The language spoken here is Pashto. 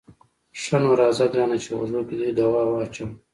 ښه نو راځه ګرانه چې غوږو کې دې دوا واچوم.